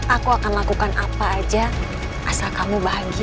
aku akan lakukan apa aja asal kamu bahagia